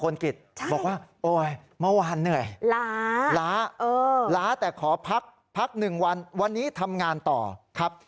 ล้าเออล้าแต่ขอพัก๑วันวันนี้ทำงานต่อครับ